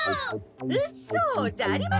「うそ！？」じゃありません！